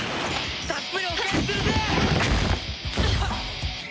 たっぷりお返しするぜ！